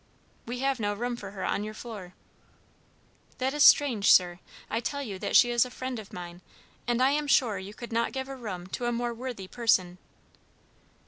"We have no room for her on your floor." "That is strange, sir. I tell you that she is a friend of mine, and I am sure you could not give a room to a more worthy person."